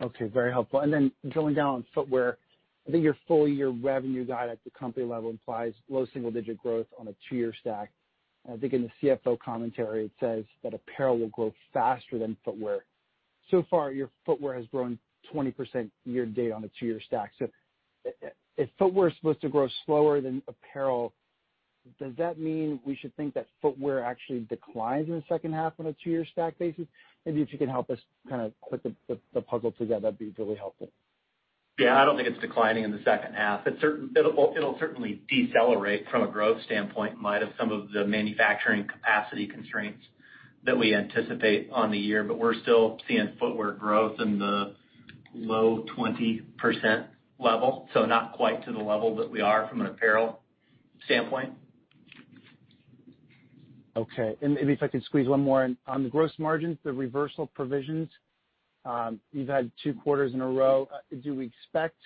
Speaker 10: Okay. Very helpful. Then drilling down on footwear, I think your full-year revenue guide at the company level implies low single-digit growth on a two-year stack. I think in the CFO commentary it says that apparel will grow faster than footwear. Far, your footwear has grown 20% year to date on a two-year stack. If footwear is supposed to grow slower than apparel, does that mean we should think that footwear actually declines in the second half on a two-year stack basis? Maybe if you could help us kind of put the puzzle together, that'd be really helpful.
Speaker 5: Yeah, I don't think it's declining in the second half. It'll certainly decelerate from a growth standpoint in light of some of the manufacturing capacity constraints that we anticipate on the year. We're still seeing footwear growth in the low 20% level, so not quite to the level that we are from an apparel standpoint.
Speaker 10: Okay. Maybe if I could squeeze one more in. On the gross margins, the reversal provisions, you've had two quarters in a row. Do we expect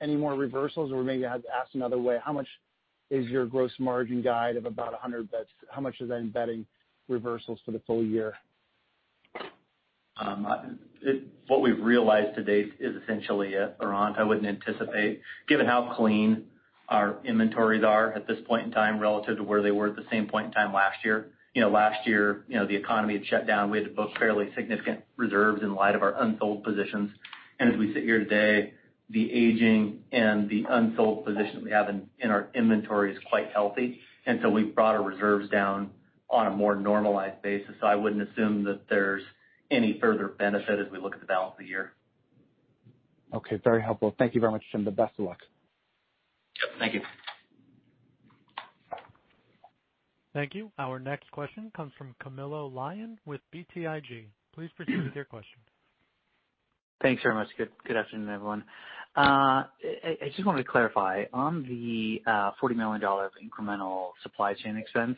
Speaker 10: any more reversals? Maybe I have to ask another way, how much is your gross margin guide of about 100 basis points? How much is that embedding reversals for the full year?
Speaker 5: What we've realized to date is essentially it, Laurent. I wouldn't anticipate, given how clean our inventories are at this point in time relative to where they were at the same point in time last year. Last year, the economy had shut down. We had to book fairly significant reserves in light of our unsold positions. As we sit here today, the aging and the unsold position we have in our inventory is quite healthy. We've brought our reserves down on a more normalized basis. I wouldn't assume that there's any further benefit as we look at the balance of the year.
Speaker 10: Okay. Very helpful. Thank you very much, Tim. The best of luck.
Speaker 5: Yep, thank you.
Speaker 1: Thank you. Our next question comes from Camilo Lyon with BTIG. Please proceed with your question.
Speaker 11: Thanks very much. Good afternoon, everyone. I just wanted to clarify on the $40 million incremental supply chain expense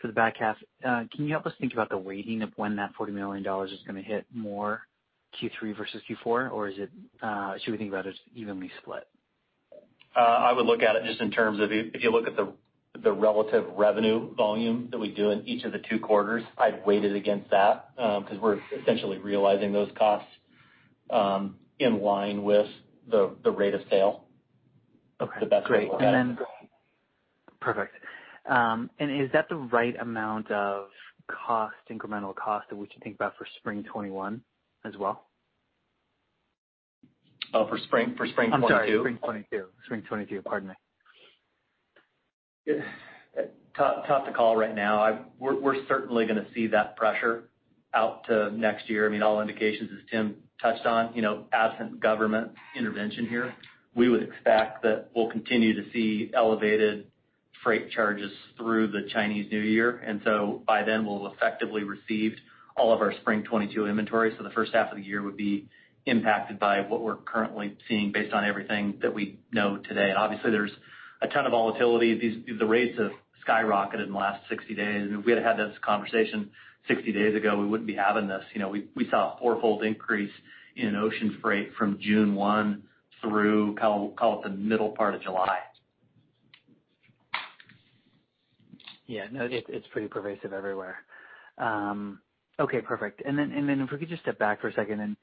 Speaker 11: for the back half. Can you help us think about the weighting of when that $40 million is going to hit more Q3 versus Q4? Or should we think about it as evenly split?
Speaker 5: I would look at it just in terms of if you look at the relative revenue volume that we do in each of the two quarters, I'd weight it against that, because we're essentially realizing those costs in line with the rate of sale.
Speaker 11: Okay.
Speaker 5: The best way to look at it.
Speaker 11: Great. Perfect. Is that the right amount of incremental cost that we should think about for spring 2021 as well?
Speaker 5: Oh, for spring 2022?
Speaker 11: I'm sorry, spring 2022. Pardon me.
Speaker 5: Tough to call right now. We're certainly going to see that pressure out to next year. All indications, as Tim touched on, absent government intervention here, we would expect that we'll continue to see elevated freight charges through the Chinese New Year. By then, we'll have effectively received all of our spring 2022 inventory. The first half of the year would be impacted by what we're currently seeing based on everything that we know today. Obviously, there's a ton of volatility. The rates have skyrocketed in the last 60 days. If we had had this conversation 60 days ago, we wouldn't be having this. We saw a 4-fold increase in ocean freight from June 1 through, call it the middle part of July.
Speaker 11: Yeah, no, it's pretty pervasive everywhere. Okay, perfect. Then if we could just step back for a second and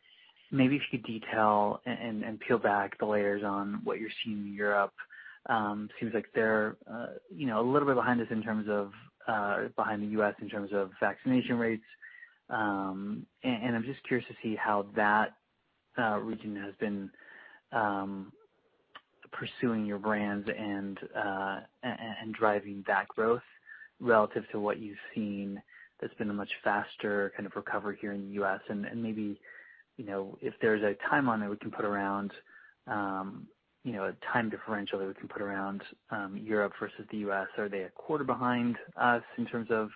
Speaker 11: maybe if you could detail and peel back the layers on what you're seeing in Europe. Seems like they're a little bit behind the U.S. in terms of vaccination rates. I'm just curious to see how that region has been pursuing your brands and driving back growth relative to what you've seen that's been a much faster kind of recovery here in the U.S. Maybe, if there's a time differential that we can put around Europe versus the U.S. Are they a quarter behind us in terms of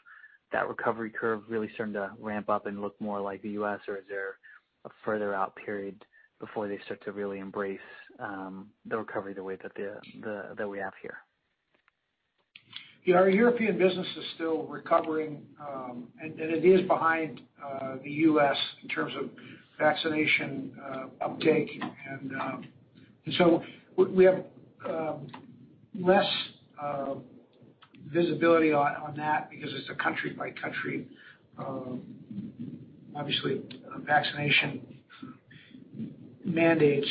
Speaker 11: that recovery curve really starting to ramp up and look more like the U.S., or is there a further out period before they start to really embrace the recovery the way that we have here?
Speaker 3: Our European business is still recovering, and it is behind the U.S. in terms of vaccination uptake. We have less visibility on that because it's a country-by-country, obviously, vaccination mandates.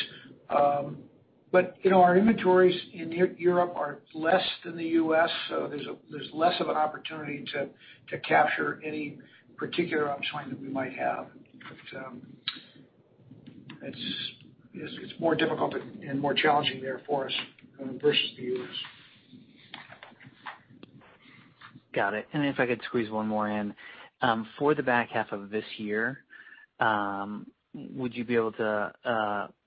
Speaker 3: Our inventories in Europe are less than the U.S., so there's less of an opportunity to capture any particular upswing that we might have. It's more difficult and more challenging there for us versus the U.S.
Speaker 11: Got it. If I could squeeze one more in. For the back half of this year, would you be able to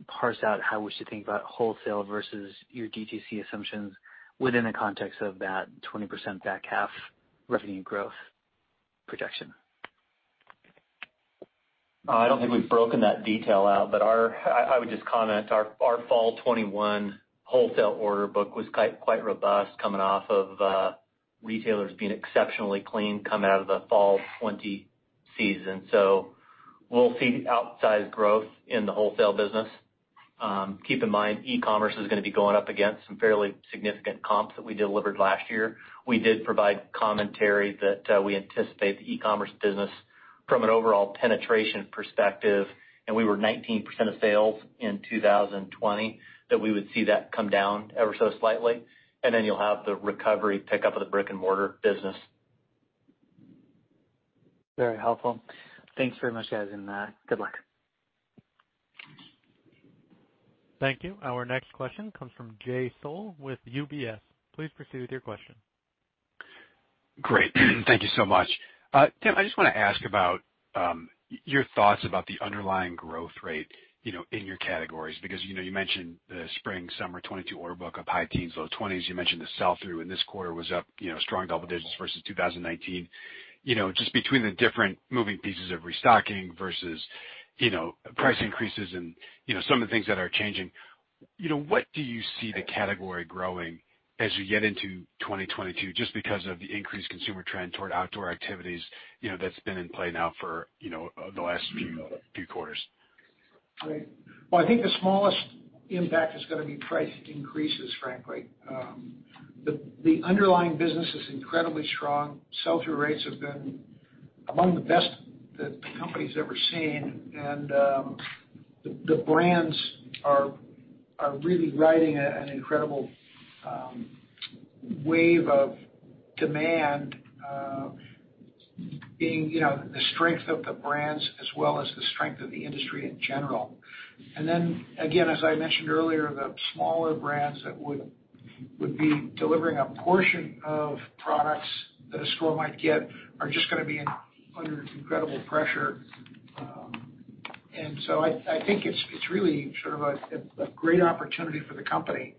Speaker 11: parse out how we should think about wholesale versus your DTC assumptions within the context of that 20% back half revenue growth projection?
Speaker 5: I don't think we've broken that detail out, but I would just comment, our fall 2021 wholesale order book was quite robust coming off of retailers being exceptionally clean coming out of the fall 2020 season. We'll see outsized growth in the wholesale business. Keep in mind, e-commerce is going to be going up against some fairly significant comps that we delivered last year. We did provide commentary that we anticipate the e-commerce business from an overall penetration perspective, and we were 19% of sales in 2020, that we would see that come down ever so slightly. Then you'll have the recovery pickup of the brick and mortar business.
Speaker 11: Very helpful. Thanks very much, guys, and good luck.
Speaker 1: Thank you. Our next question comes from Jay Sole with UBS. Please proceed with your question.
Speaker 12: Great. Thank you so much. Tim, I just want to ask about your thoughts about the underlying growth rate in your categories, because you mentioned the spring/summer 2022 order book, up high teens, low 20s. You mentioned the sell-through in this quarter was up strong double digits versus 2019. Just between the different moving pieces of restocking versus price increases and some of the things that are changing, what do you see the category growing as you get into 2022, just because of the increased consumer trend toward outdoor activities that's been in play now for the last few quarters?
Speaker 3: Right. Well, I think the smallest impact is going to be price increases, frankly. The underlying business is incredibly strong. Sell-through rates have been among the best that the company's ever seen. The brands are really riding an incredible wave of demand, being the strength of the brands as well as the strength of the industry in general. Again, as I mentioned earlier, the smaller brands that would be delivering a portion of products that a store might get are just going to be under incredible pressure. I think it's really a great opportunity for the company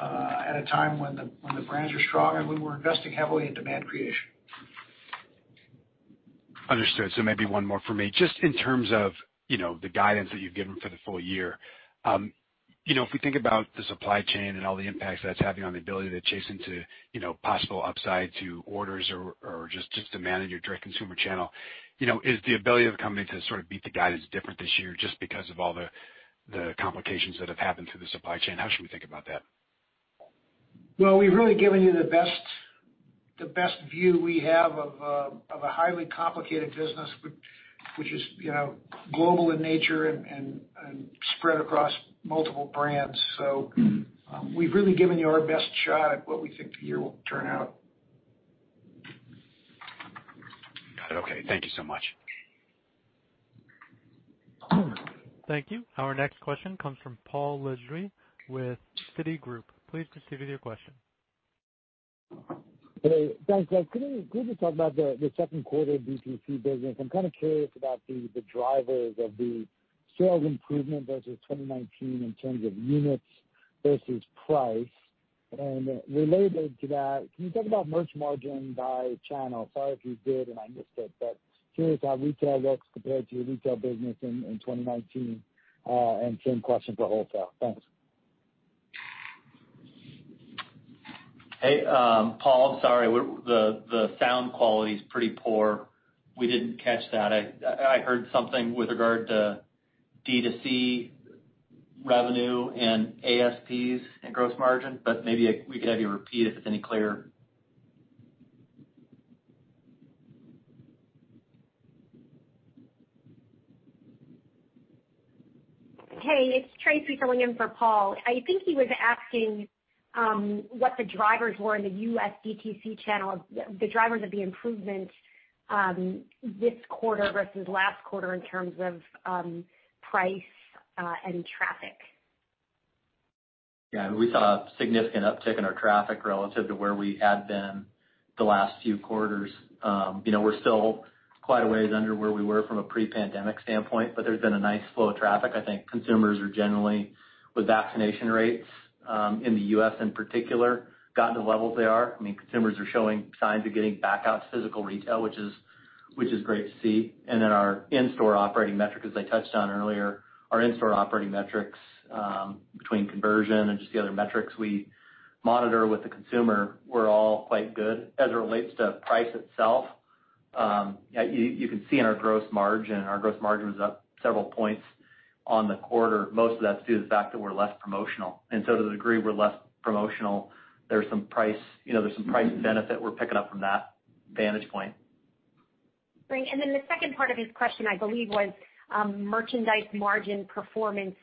Speaker 3: at a time when the brands are strong and when we're investing heavily in demand creation.
Speaker 12: Understood. Maybe one more from me, just in terms of the guidance that you've given for the full year. If we think about the supply chain and all the impacts that's having on the ability to chase into possible upside to orders or just to manage your direct consumer channel, is the ability of the company to sort of beat the guidance different this year just because of all the complications that have happened through the supply chain? How should we think about that?
Speaker 3: We've really given you the best view we have of a highly complicated business, which is global in nature and spread across multiple brands. We've really given you our best shot at what we think the year will turn out.
Speaker 12: Got it. Okay. Thank you so much.
Speaker 1: Thank you. Our next question comes from Paul Lejuez with Citigroup. Please proceed with your question.
Speaker 13: Hey, guys. Could you talk about the second quarter DTC business? I'm kind of curious about the drivers of the sales improvement versus 2019 in terms of units versus price. Related to that, can you talk about merch margin by channel? Sorry if you did and I missed it, curious how retail looks compared to your retail business in 2019, and same question for wholesale. Thanks.
Speaker 5: Hey, Paul, sorry. The sound quality is pretty poor. We didn't catch that. I heard something with regard to D2C revenue and ASPs and gross margin. Maybe we could have you repeat if it's any clearer.
Speaker 14: Hey, it's Tracy coming in for Paul. I think he was asking what the drivers were in the U.S. DTC channel, the drivers of the improvement this quarter versus last quarter in terms of price and traffic.
Speaker 5: Yeah, we saw a significant uptick in our traffic relative to where we had been the last few quarters. We're still quite a ways under where we were from a pre-pandemic standpoint, but there's been a nice flow of traffic. I think consumers are generally, with vaccination rates in the U.S. in particular, gotten to levels they are. Consumers are showing signs of getting back out to physical retail, which is great to see. Then our in-store operating metric, as I touched on earlier, our in-store operating metrics, between conversion and just the other metrics we monitor with the consumer, were all quite good. As it relates to price itself, you can see in our gross margin, our gross margin was up several points on the quarter. Most of that's due to the fact that we're less promotional. To the degree we're less promotional, there's some price benefit we're picking up from that vantage point.
Speaker 14: Great. The second part of his question, I believe, was merchandise margin performance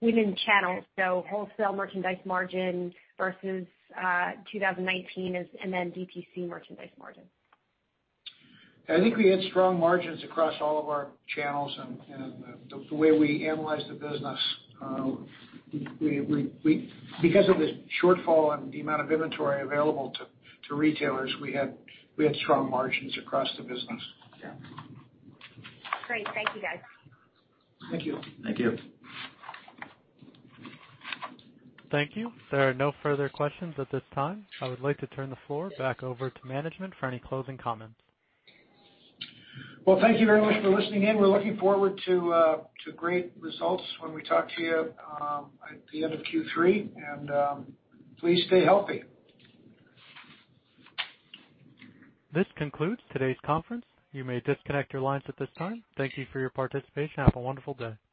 Speaker 14: within channels, wholesale merchandise margin versus 2019 and then DTC merchandise margin.
Speaker 3: I think we had strong margins across all of our channels and the way we analyze the business. Because of the shortfall on the amount of inventory available to retailers, we had strong margins across the business.
Speaker 5: Yeah.
Speaker 14: Great. Thank you, guys.
Speaker 3: Thank you.
Speaker 5: Thank you.
Speaker 1: Thank you. There are no further questions at this time. I would like to turn the floor back over to management for any closing comments.
Speaker 3: Well, thank you very much for listening in. We're looking forward to great results when we talk to you at the end of Q3. Please stay healthy.
Speaker 1: This concludes today's conference. You may disconnect your lines at this time. Thank you for your participation and have a wonderful day.